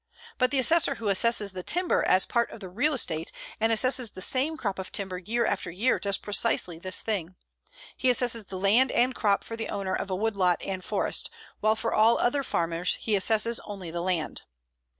But the assessor who assesses the timber as part of the real estate and assesses the same crop of timber year after year does precisely this thing. He assesses land and crop for the owner of a woodlot and forest, while for all other farmers he assesses only the land.